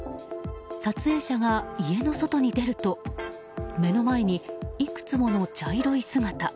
撮影者が家の外に出ると目の前にいくつもの茶色い姿。